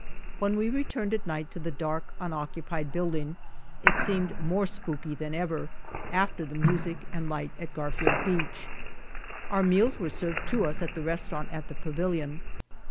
When we returned at night to the dark, unoccupied building, it seemed more spooky than ever, after the music and light at Garfield Beach. Our meals were served to us at the restaurant at the pavilion.